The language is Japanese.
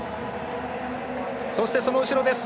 そして、その後ろです。